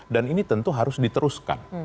dan ini tentu harus diteruskan